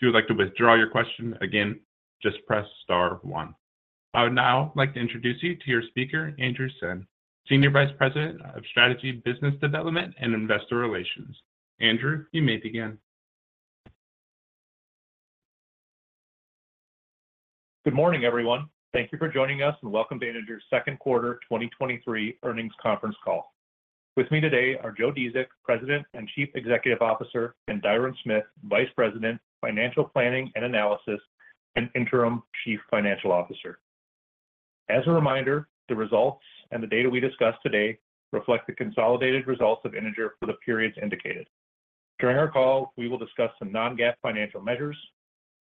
If you would like to withdraw your question, again, just press star one. I would now like to introduce you to your speaker, Andrew Senn, Senior Vice President of Strategy, Business Development, and Investor Relations. Andrew, you may begin. Good morning, everyone. Thank you for joining us, and welcome to Integer's Q2 2023 earnings conference call. With me today are Joseph Dziedzic, President and Chief Executive Officer, and Diron Smith, Vice President, Financial Planning and Analysis, and Interim Chief Financial Officer. As a reminder, the results and the data we discuss today reflect the consolidated results of Integer for the periods indicated. During our call, we will discuss some non-GAAP financial measures.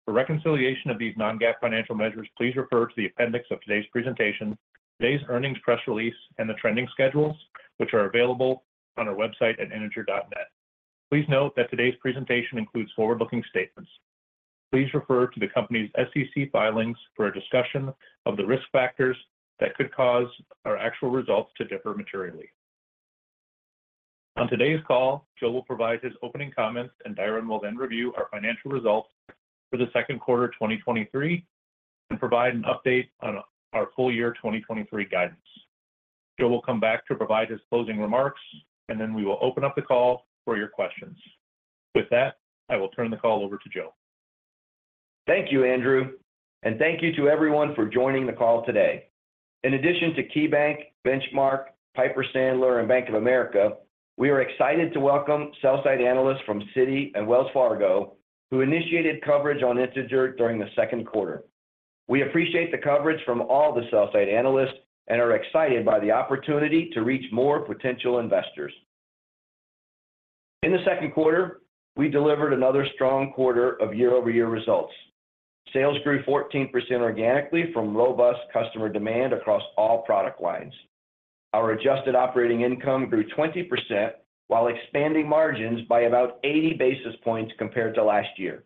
For reconciliation of these non-GAAP financial measures, please refer to the appendix of today's presentation, today's earnings press release, and the trending schedules, which are available on our website at integer.net. Please note that today's presentation includes forward-looking statements. Please refer to the company's SEC filings for a discussion of the risk factors that could cause our actual results to differ materially. On today's call, Joe will provide his opening comments, and Diron will then review our financial results for the Q2 2023 and provide an update on our full year 2023 guidance. Joe will come back to provide his closing remarks, and then we will open up the call for your questions. With that, I will turn the call over to Joe. Thank you, Andrew, and thank you to everyone for joining the call today. In addition to KeyBank, Benchmark, Piper Sandler, and Bank of America, we are excited to welcome sell-side analysts from Citi and Wells Fargo, who initiated coverage on Integer during the Q2. We appreciate the coverage from all the sell-side analysts and are excited by the opportunity to reach more potential investors. In the Q2, we delivered another strong quarter of year-over-year results. Sales grew 14% organically from robust customer demand across all product lines. Our adjusted operating income grew 20% while expanding margins by about 80 basis points compared to last year.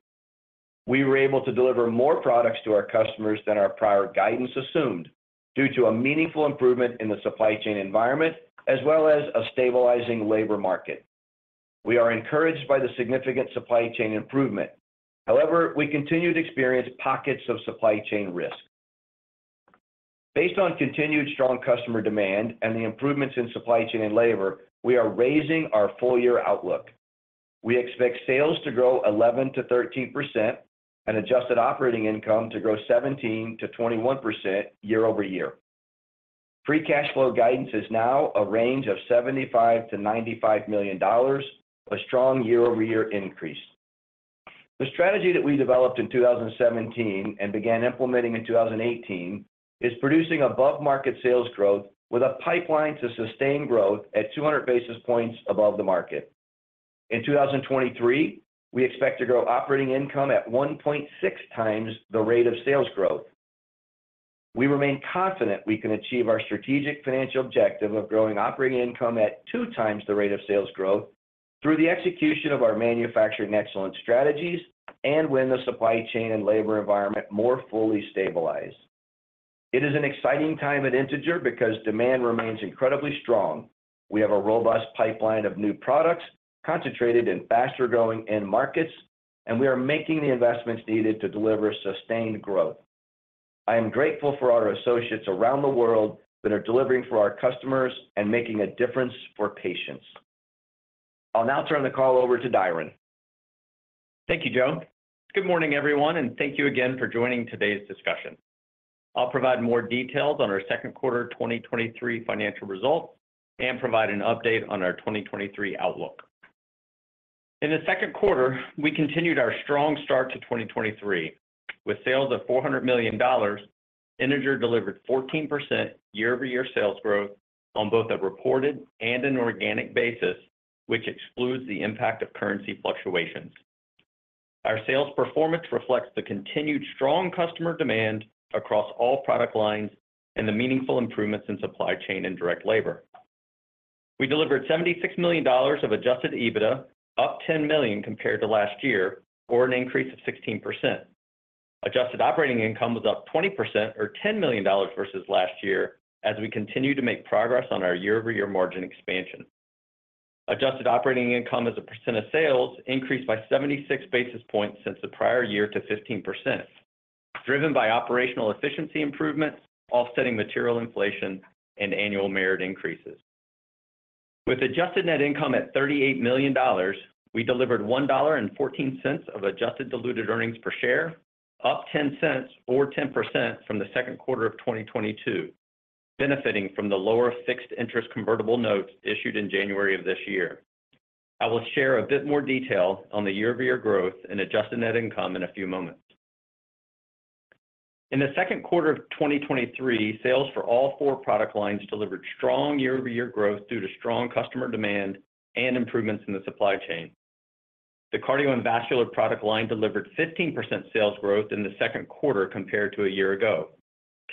We were able to deliver more products to our customers than our prior guidance assumed, due to a meaningful improvement in the supply chain environment, as well as a stabilizing labor market. We are encouraged by the significant supply chain improvement. However, we continue to experience pockets of supply chain risk. Based on continued strong customer demand and the improvements in supply chain and labor, we are raising our full-year outlook. We expect sales to grow 11%-13% and adjusted operating income to grow 17%-21% year-over-year. Free cash flow guidance is now a range of $75 million-$95 million, a strong year-over-year increase. The strategy that we developed in 2017 and began implementing in 2018 is producing above-market sales growth with a pipeline to sustain growth at 200 basis points above the market. In 2023, we expect to grow operating income at 1.6 times the rate of sales growth. We remain confident we can achieve our strategic financial objective of growing operating income at two times the rate of sales growth through the execution of our manufacturing excellence strategies and when the supply chain and labor environment more fully stabilize. It is an exciting time at Integer because demand remains incredibly strong. We have a robust pipeline of new products concentrated in faster-growing end markets, and we are making the investments needed to deliver sustained growth. I am grateful for our associates around the world that are delivering for our customers and making a difference for patients. I'll now turn the call over to Diron. Thank you, Joe. Good morning, everyone, thank you again for joining today's discussion. I'll provide more details on our Q2 2023 financial results and provide an update on our 2023 outlook. In the Q2, we continued our strong start to 2023. With sales of $400 million, Integer delivered 14% year-over-year sales growth on both a reported and an organic basis, which excludes the impact of currency fluctuations. Our sales performance reflects the continued strong customer demand across all product lines and the meaningful improvements in supply chain and direct labor. We delivered $76 million of adjusted EBITDA, up $10 million compared to last year, or an increase of 16%. Adjusted operating income was up 20% or $10 million versus last year, as we continue to make progress on our year-over-year margin expansion. Adjusted operating income as a percent of sales increased by 76 basis points since the prior year to 15%, driven by operational efficiency improvements, offsetting material inflation and annual merit increases. With adjusted net income at $38 million, we delivered $1.14 of adjusted diluted earnings per share, up $0.10 or 10% from the Q2 of 2022, benefiting from the lower fixed interest convertible notes issued in January of this year. I will share a bit more detail on the year-over-year growth and adjusted net income in a few moments. In the Q2 of 2023, sales for all four product lines delivered strong year-over-year growth due to strong customer demand and improvements in the supply chain. The Cardio and Vascular product line delivered 15% sales growth in the Q2 compared to a year ago.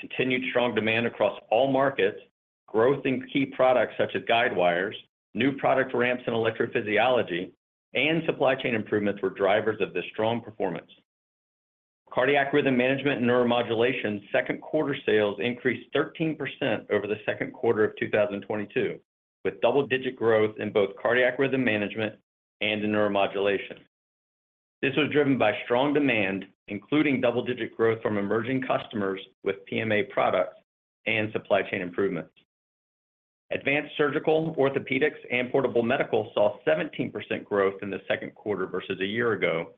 Continued strong demand across all markets, growth in key products such as guidewires, new product ramps in electrophysiology, and supply chain improvements were drivers of this strong performance. Cardiac Rhythm Management and Neuromodulation 2Q sales increased 13% over the Q2 of 2022, with double-digit growth in both Cardiac Rhythm Management and in Neuromodulation. This was driven by strong demand, including double-digit growth from emerging customers with PMA products and supply chain improvements. Advanced Surgical, Orthopedics & Portable Medical saw 17% growth in the Q2 versus a year ago,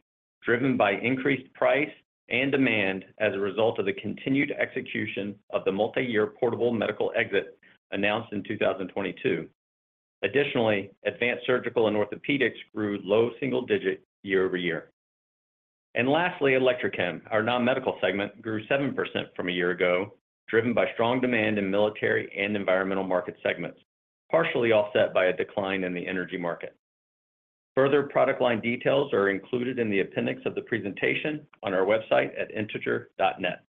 driven by increased price and demand as a result of the continued execution of the multi-year Portable Medical exit announced in 2022. Additionally, Advanced Surgical and Orthopedics grew low single digit year-over-year. Lastly, Electrochem, our non-medical segment, grew 7% from a year ago, driven by strong demand in military and environmental market segments, partially offset by a decline in the energy market. Further product line details are included in the appendix of the presentation on our website at integer.net.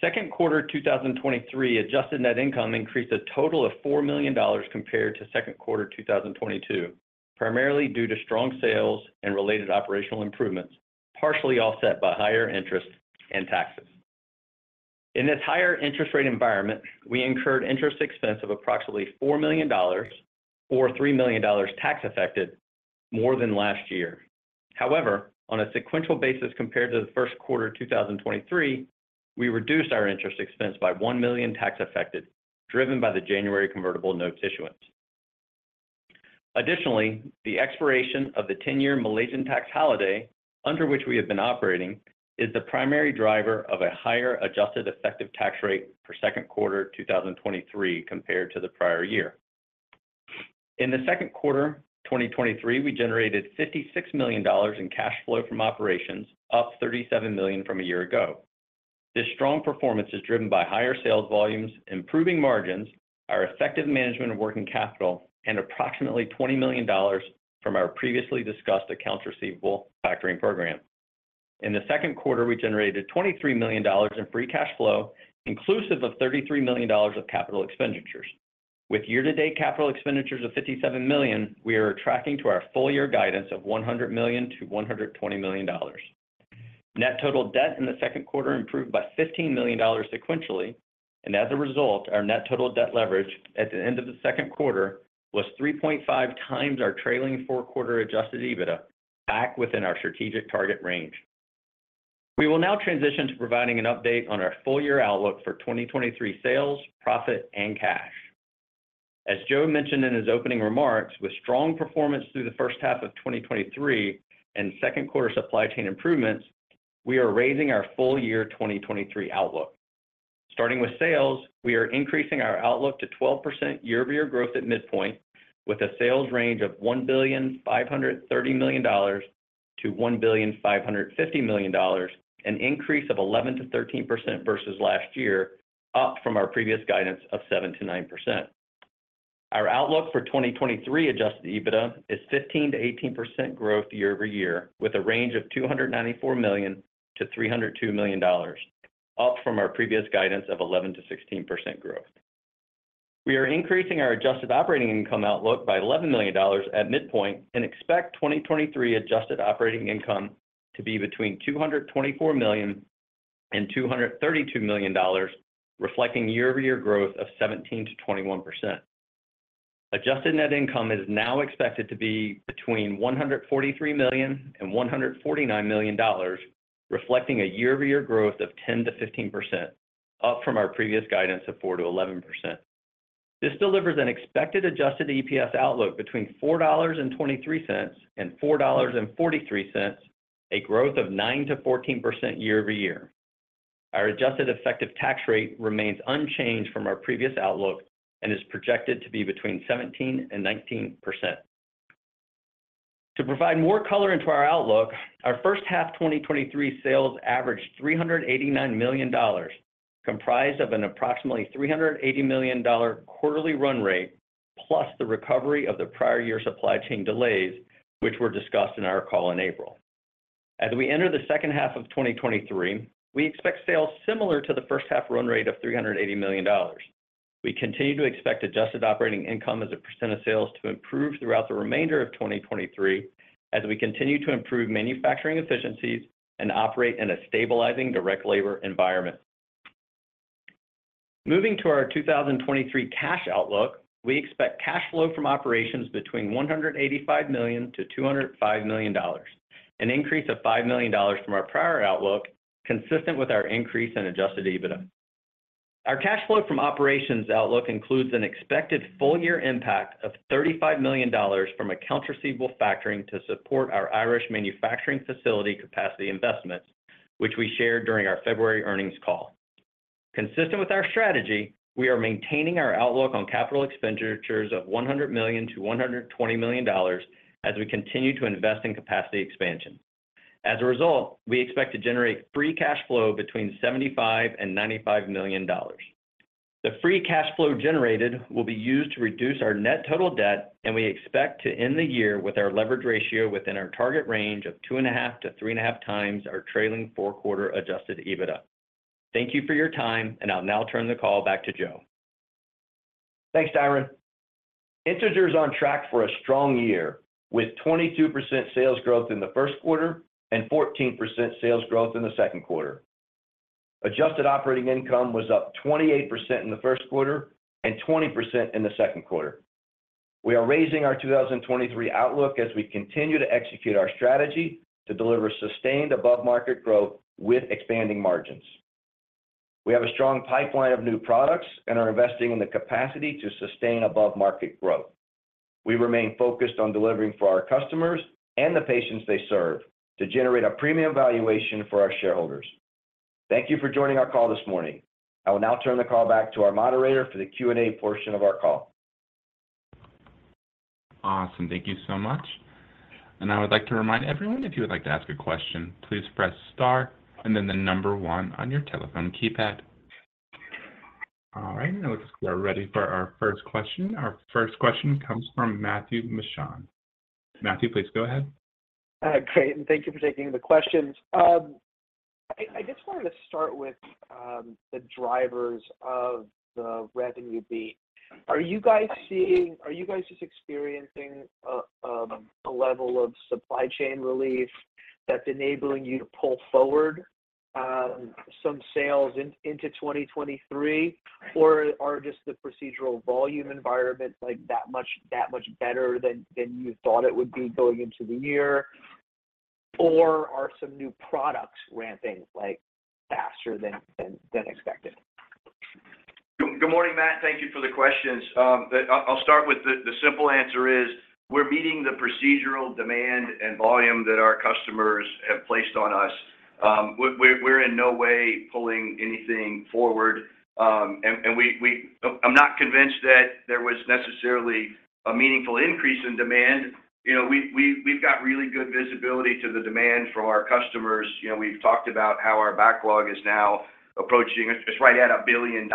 Q2 2023 adjusted net income increased a total of $4 million compared to Q2 2022, primarily due to strong sales and related operational improvements, partially offset by higher interest and taxes. In this higher interest rate environment, we incurred interest expense of approximately $4 million or $3 million tax affected more than last year. On a sequential basis, compared to the first quarter 2023, we reduced our interest expense by $1 million tax affected, driven by the January convertible note issuance. The expiration of the 10-year Malaysian tax holiday, under which we have been operating, is the primary driver of a higher adjusted effective tax rate for Q2 2023 compared to the prior year. In the Q2 2023, we generated $56 million in cash flow from operations, up $37 million from a year ago. This strong performance is driven by higher sales volumes, improving margins, our effective management of working capital, and approximately $20 million from our previously discussed accounts receivable factoring program. In the Q2, we generated $23 million in free cash flow, inclusive of $33 million of capital expenditures. With year-to-date capital expenditures of $57 million, we are tracking to our full year guidance of $100-$120 million. Net total debt in the Q2 improved by $15 million sequentially, and as a result, our net total debt leverage at the end of the Q2 was 3.5 times our trailing four quarter adjusted EBITDA, back within our strategic target range. We will now transition to providing an update on our full year outlook for 2023 sales, profit and cash. As Joe mentioned in his opening remarks, with strong performance through the first half of 2023 and Q2 supply chain improvements, we are raising our full year 2023 outlook. Starting with sales, we are increasing our outlook to 12% year-over-year growth at midpoint, with a sales range of $1.53 billion to $1.55 billion, an increase of 11%-13% versus last year, up from our previous guidance of 7%-9%. Our outlook for 2023 adjusted EBITDA is 15%-18% growth year-over-year, with a range of $294 million to $302 million, up from our previous guidance of 11%-16% growth. We are increasing our adjusted operating income outlook by $11 million at midpoint and expect 2023 adjusted operating income to be between $224 million and $232 million, reflecting year-over-year growth of 17%-21%. Adjusted net income is now expected to be between $143 million and $149 million, reflecting a year-over-year growth of 10%-15%, up from our previous guidance of 4%-11%. This delivers an expected adjusted EPS outlook between $4.23 and $4.43, a growth of 9%-14% year over year. Our adjusted effective tax rate remains unchanged from our previous outlook and is projected to be between 17% and 19%. To provide more color into our outlook, our first half 2023 sales averaged $389 million, comprised of an approximately $380 million quarterly run rate, plus the recovery of the prior year supply chain delays, which were discussed in our call in April. As we enter the second half of 2023, we expect sales similar to the first half run rate of $380 million. We continue to expect adjusted operating income as a % of sales to improve throughout the remainder of 2023 as we continue to improve manufacturing efficiencies and operate in a stabilizing direct labor environment. Moving to our 2023 cash outlook, we expect cash flow from operations between $185-$205 million, an increase of $5 million from our prior outlook, consistent with our increase in adjusted EBITDA. Our cash flow from operations outlook includes an expected full year impact of $35 million from accounts receivable factoring to support our Irish manufacturing facility capacity investments, which we shared during our February earnings call. Consistent with our strategy, we are maintaining our outlook on capital expenditures of $100-$120 million as we continue to invest in capacity expansion. We expect to generate free cash flow between $75 million and $95 million. The free cash flow generated will be used to reduce our net total debt. We expect to end the year with our leverage ratio within our target range of 2.5 to 3.5 times our trailing four quarter adjusted EBITDA. Thank you for your time. I'll now turn the call back to Joe. Thanks, Diron. Integer is on track for a strong year, with 22% sales growth in the first quarter and 14% sales growth in the Q2. Adjusted operating income was up 28% in the first quarter and 20% in the Q2. We are raising our 2023 outlook as we continue to execute our strategy to deliver sustained above-market growth with expanding margins. We have a strong pipeline of new products and are investing in the capacity to sustain above-market growth. We remain focused on delivering for our customers and the patients they serve, to generate a premium valuation for our shareholders. Thank you for joining our call this morning. I will now turn the call back to our moderator for the Q&A portion of our call. Awesome. Thank you so much. I would like to remind everyone, if you would like to ask a question, please press star and then the number one on your telephone keypad. All right, it looks like we're ready for our first question. Our first question comes from Matthew Miksic. Matthew, please go ahead. Great, thank you for taking the questions. I just wanted to start with the drivers of the revenue beat. Are you guys just experiencing a level of supply chain relief that's enabling you to pull forward some sales into 2023? Are just the procedural volume environment, like, that much better than you thought it would be going into the year? Are some new products ramping, like, faster than expected? Good morning, Matt. Thank you for the questions. I'll start with the simple answer is, we're meeting the procedural demand and volume that our customers have placed on us. We're in no way pulling anything forward. And I'm not convinced that there was necessarily a meaningful increase in demand. You know, we've got really good visibility to the demand from our customers. You know, we've talked about how our backlog is now approaching, it's right at $1 billion,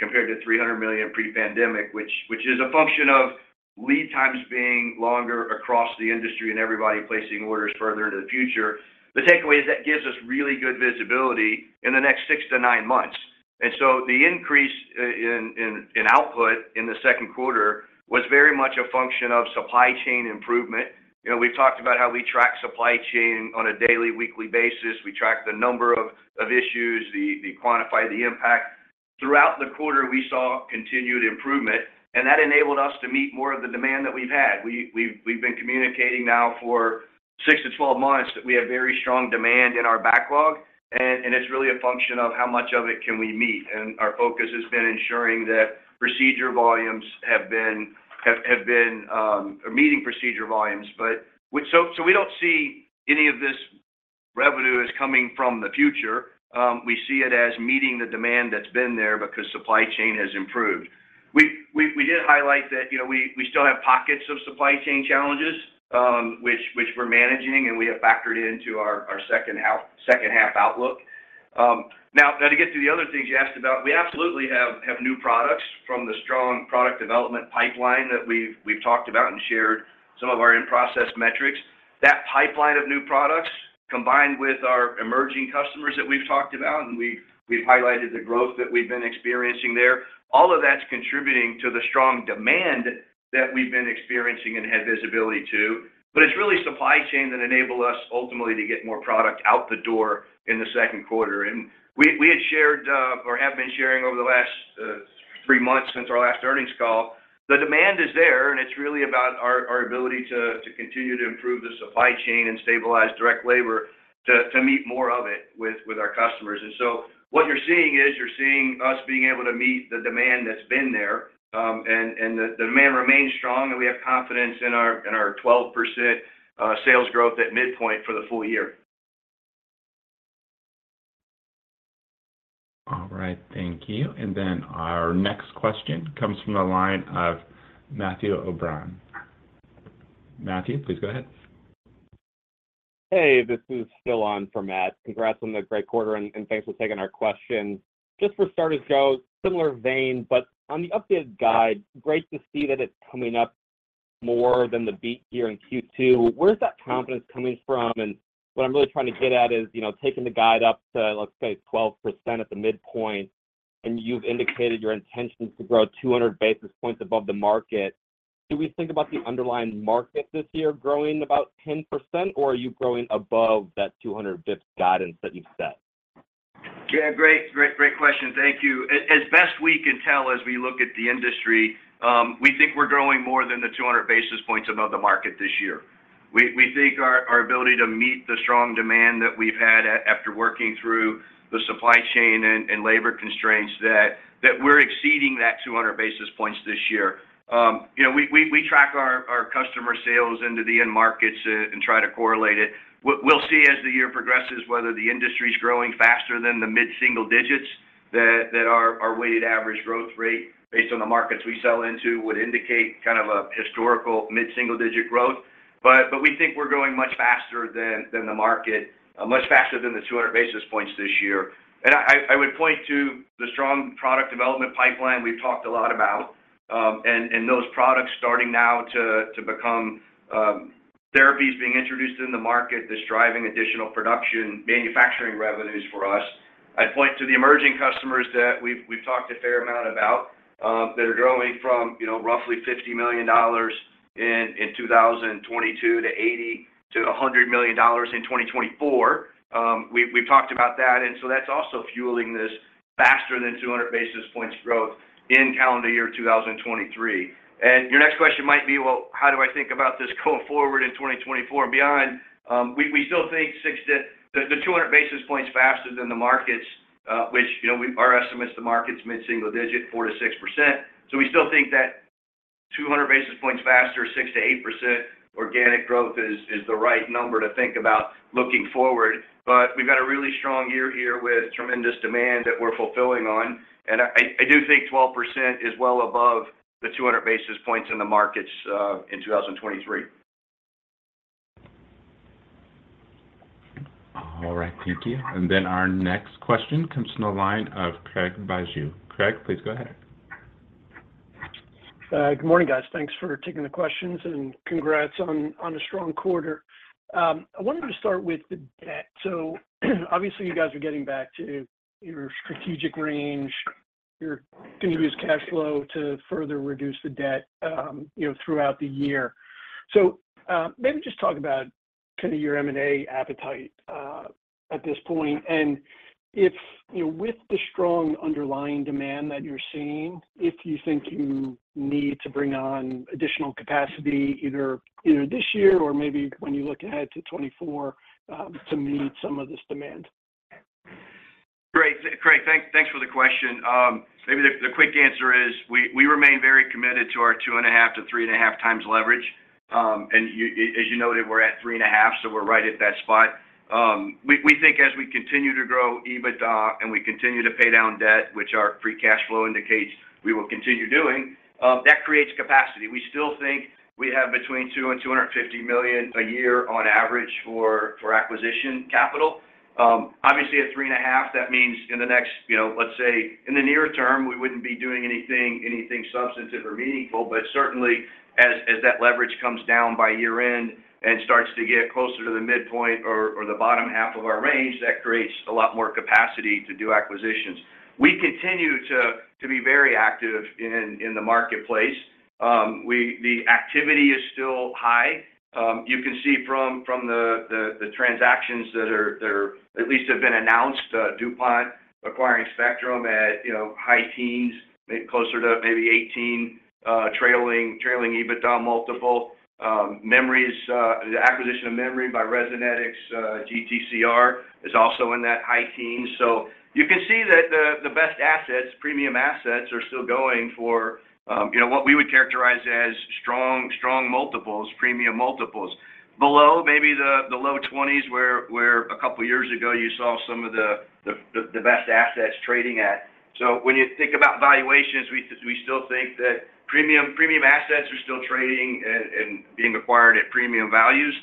compared to $300 million pre-pandemic, which is a function of lead times being longer across the industry and everybody placing orders further into the future. The takeaway is that gives us really good visibility in the next six to nine months. The increase in output in the Q2 was very much a function of supply chain improvement. You know, we've talked about how we track supply chain on a daily, weekly basis. We track the number of issues, we quantify the impact. Throughout the quarter, we saw continued improvement, and that enabled us to meet more of the demand that we've had. We've been communicating now for 6 to 12 months that we have very strong demand in our backlog, and it's really a function of how much of it can we meet. Our focus has been ensuring that procedure volumes have been meeting procedure volumes. We don't see any of this revenue as coming from the future. We see it as meeting the demand that's been there because supply chain has improved. We did highlight that, you know, we still have pockets of supply chain challenges, which we're managing, and we have factored into our second half outlook. Now, to get to the other things you asked about, we absolutely have new products from the strong product development pipeline that we've talked about and shared some of our in-process metrics. That pipeline of new products, combined with our emerging customers that we've talked about, and we've highlighted the growth that we've been experiencing there, all of that's contributing to the strong demand that we've been experiencing and have visibility to. It's really supply chain that enable us, ultimately, to get more product out the door in the Q2. We had shared, or have been sharing over the last three months since our last earnings call, the demand is there, and it's really about our ability to continue to improve the supply chain and stabilize direct labor to meet more of it with our customers. What you're seeing is, you're seeing us being able to meet the demand that's been there, and the demand remains strong, and we have confidence in our 12% sales growth at midpoint for the full year. All right, thank you. Our next question comes from the line of Matthew O'Brien. Matthew, please go ahead. Hey, this is still on for Matt. Congrats on the great quarter, and thanks for taking our questions. Just for starters, Joe, similar vein, but on the updated guide, great to see that it's coming up more than the beat year in Q2. Where's that confidence coming from? What I'm really trying to get at is, you know, taking the guide up to, let's say, 12% at the midpoint, and you've indicated your intentions to grow 200 basis points above the market. Do we think about the underlying market this year growing about 10%, or are you growing above that 200 basis points guidance that you've set? Yeah, great, great, great question. Thank you. As best we can tell as we look at the industry, we think we're growing more than the 200 basis points above the market this year. We think our ability to meet the strong demand that we've had after working through the supply chain and labor constraints, that we're exceeding that 200 basis points this year. You know, we track our customer sales into the end markets and try to correlate it. What we'll see as the year progresses, whether the industry's growing faster than the mid-single digits, that our weighted average growth rate, based on the markets we sell into, would indicate kind of a historical mid-single-digit growth. We think we're growing much faster than the market, much faster than the 200 basis points this year. I would point to the strong product development pipeline we've talked a lot about, those products starting now to become therapies being introduced in the market that's driving additional production, manufacturing revenues for us. I'd point to the emerging customers that we've talked a fair amount about, that are growing from, you know, roughly $50 million in 2022 to $80-$100 million in 2024. We've talked about that, that's also fueling this faster than 200 basis points growth in calendar year 2023. Your next question might be, well, how do I think about this going forward in 2024 and beyond? We still think 200 basis points faster than the markets, which, you know, our estimates, the market's mid-single digit, 4%-6%. We still think that 200 basis points faster, 6%-8% organic growth is the right number to think about looking forward. We've got a really strong year here with tremendous demand that we're fulfilling on, and I do think 12% is well above the 200 basis points in the markets in 2023. All right, thank you. Our next question comes from the line of Craig Bijou. Craig, please go ahead. Good morning, guys. Thanks for taking the questions, and congrats on a strong quarter. I wanted to start with the debt. Obviously, you guys are getting back to your strategic range. You're going to use cash flow to further reduce the debt, you know, throughout the year. Maybe just talk about kind of your M&A appetite, at this point, and if, you know, with the strong underlying demand that you're seeing, if you think you need to bring on additional capacity, either this year or maybe when you look ahead to 2024, to meet some of this demand. Great, Craig. Thanks for the question. Maybe the quick answer is we remain very committed to our 2.5x-3.5x leverage. As you noted, we're at 3.5, so we're right at that spot. We think as we continue to grow EBITDA and we continue to pay down debt, which our free cash flow indicates we will continue doing, that creates capacity. We still think we have between $200-$250 million a year on average for acquisition capital. Obviously, at 3.5, that means in the next, you know, in the near term, we wouldn't be doing anything substantive or meaningful, but certainly as that leverage comes down by year-end and starts to get closer to the midpoint or the bottom half of our range, that creates a lot more capacity to do acquisitions. We continue to be very active in the marketplace. The activity is still high. You can see from the transactions that are... at least have been announced, DuPont acquiring Spectrum at, you know, high teens, maybe closer to maybe 18, trailing EBITDA multiple. Memry, the acquisition of Memry by Resonetics, GTCR is also in that high teens. You can see that the best assets, premium assets, are still going for, you know, what we would characterize as strong multiples, premium multiples. Below, maybe the low 20s, where a couple of years ago you saw some of the best assets trading at. When you think about valuations, we still think that premium assets are still trading and being acquired at premium values.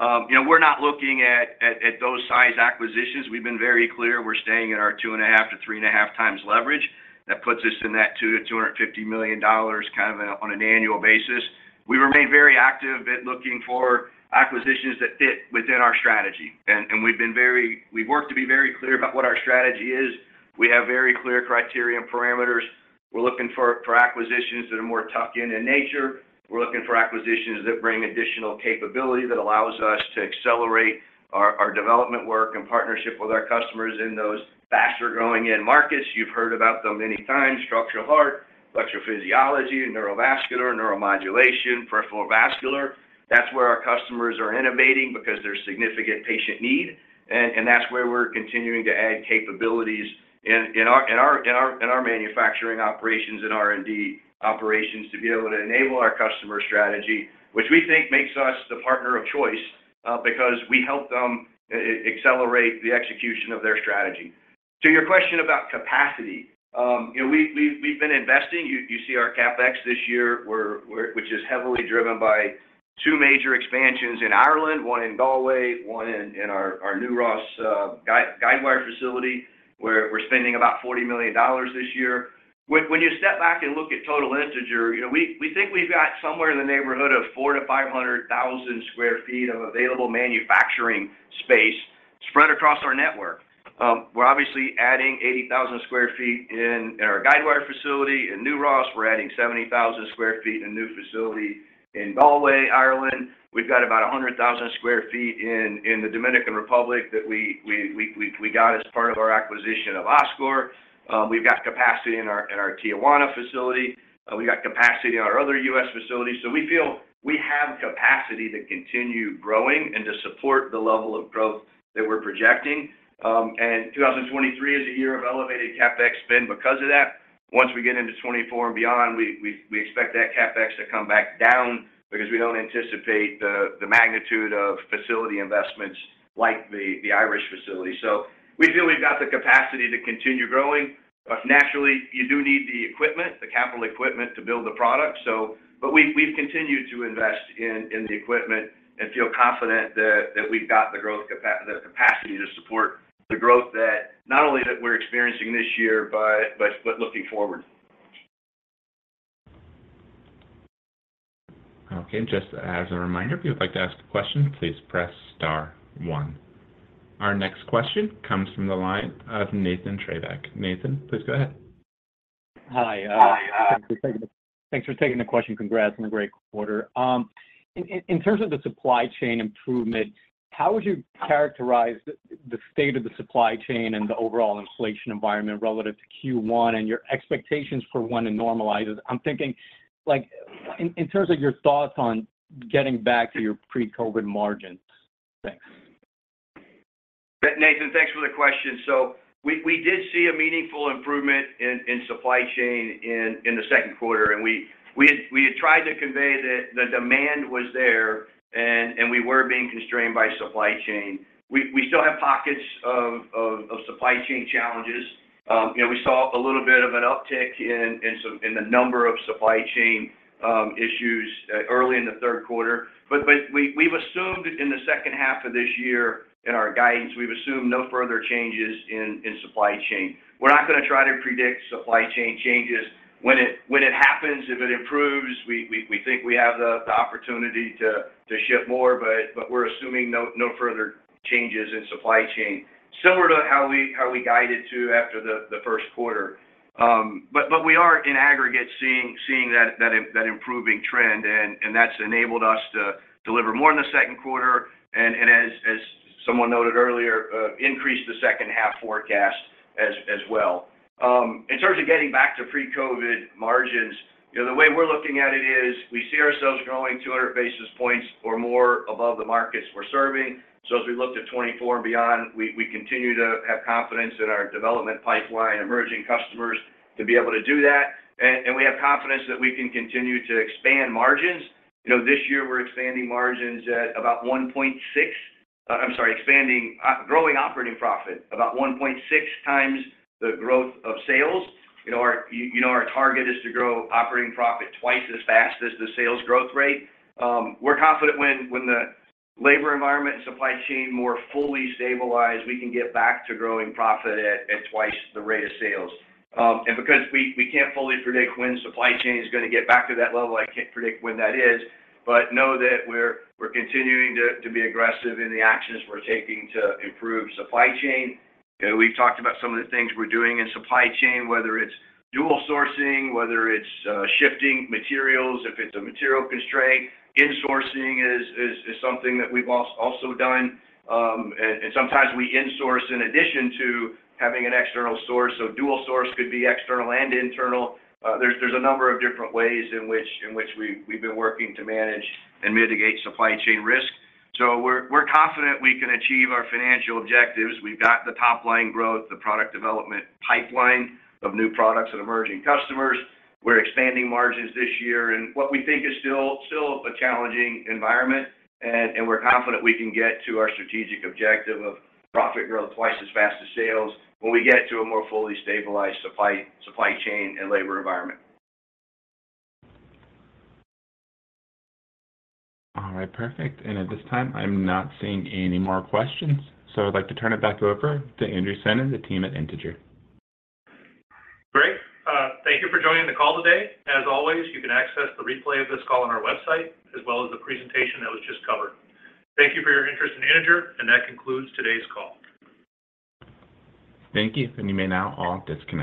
You know, we're not looking at those size acquisitions. We've been very clear we're staying at our 2.5 to 3.5 times leverage. That puts us in that $250 million, kind of on an annual basis. We remain very active at looking for acquisitions that fit within our strategy, and we've worked to be very clear about what our strategy is. We have very clear criteria and parameters. We're looking for acquisitions that are more tuck-in in nature. We're looking for acquisitions that bring additional capability that allows us to accelerate our development work and partnership with our customers in those faster-growing end markets. You've heard about them many times: structural heart, electrophysiology, neurovascular, Neuromodulation, peripheral vascular. That's where our customers are innovating because there's significant patient need, and that's where we're continuing to add capabilities in our manufacturing operations and R&D operations to be able to enable our customer strategy, which we think makes us the partner of choice, because we help them accelerate the execution of their strategy. To your question about capacity, you know, we've been investing. You see our CapEx this year, we're which is heavily driven by two major expansions in Ireland, one in Galway, one in our New Ross guidewire facility, where we're spending about $40 million this year. When you step back and look at total Integer, you know, we think we've got somewhere in the neighborhood of 400,000-500,000 sq ft of available manufacturing space spread across our network. We're obviously adding 80,000 sq ft in our guidewire facility. In New Ross, we're adding 70,000 sq ft in a new facility. In Galway, Ireland, we've got about 100,000 sq ft in the Dominican Republic that we got as part of our acquisition of Oscor. We've got capacity in our Tijuana facility. We've got capacity in our other U.S. facilities. We feel we have capacity to continue growing and to support the level of growth that we're projecting. 2023 is a year of elevated CapEx spend because of that. Once we get into 2024 and beyond, we expect that CapEx to come back down because we don't anticipate the magnitude of facility investments like the Irish facility. We feel we've got the capacity to continue growing, but naturally, you do need the equipment, the capital equipment, to build the product. But we've continued to invest in the equipment and feel confident that we've got the capacity to support the growth that not only that we're experiencing this year, but looking forward. Okay, just as a reminder, if you'd like to ask a question, please press star one. Our next question comes from the line of Anthony Petrone. Anthony, please go ahead. Hi. Thanks for taking the question. Congrats on a great quarter. In terms of the supply chain improvement, how would you characterize the state of the supply chain and the overall inflation environment relative to Q1 and your expectations for when it normalizes? I'm thinking, like, in terms of your thoughts on getting back to your pre-COVID margins. Thanks. Anthony, thanks for the question. We did see a meaningful improvement in supply chain in the Q2, and we had tried to convey that the demand was there, and we were being constrained by supply chain. We still have pockets of supply chain challenges. You know, we saw a little bit of an uptick in some, in the number of supply chain issues early in the third quarter. We've assumed in the second half of this year in our guidance, we've assumed no further changes in supply chain. We're not gonna try to predict supply chain changes. When it happens, if it improves, we think we have the opportunity to ship more, but we're assuming no further changes in supply chain, similar to how we guided to after the first quarter. We are in aggregate seeing that improving trend, and that's enabled us to deliver more in the Q2, and as someone noted earlier, increase the second half forecast as well. In terms of getting back to pre-COVID margins, you know, the way we're looking at it is we see ourselves growing 200 basis points or more above the markets we're serving. As we look to 2024 and beyond, we continue to have confidence in our development pipeline, emerging customers to be able to do that. We have confidence that we can continue to expand margins. You know, this year we're expanding margins at about 1.6. I'm sorry, growing operating profit about 1.6 times the growth of sales. You know, our target is to grow operating profit twice as fast as the sales growth rate. We're confident when the labor environment and supply chain more fully stabilize, we can get back to growing profit at twice the rate of sales. Because we can't fully predict when supply chain is gonna get back to that level, I can't predict when that is, but know that we're continuing to be aggressive in the actions we're taking to improve supply chain. You know, we've talked about some of the things we're doing in supply chain, whether it's dual sourcing, whether it's shifting materials, if it's a material constraint. Insourcing is something that we've also done, and sometimes we insource in addition to having an external source, so dual source could be external and internal. There's a number of different ways in which we've been working to manage and mitigate supply chain risk. We're confident we can achieve our financial objectives. We've got the top-line growth, the product development pipeline of new products and emerging customers. We're expanding margins this year, and what we think is still a challenging environment, and we're confident we can get to our strategic objective of profit growth twice as fast as sales when we get to a more fully stabilized supply chain and labor environment. All right, perfect. At this time, I'm not seeing any more questions. I'd like to turn it back over to Andrew Senn and the team at Integer. Great. Thank you for joining the call today. As always, you can access the replay of this call on our website, as well as the presentation that was just covered. Thank you for your interest in Integer, and that concludes today's call. Thank you, and you may now all disconnect.